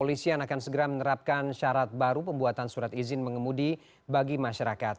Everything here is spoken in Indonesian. polisian akan segera menerapkan syarat baru pembuatan surat izin mengemudi bagi masyarakat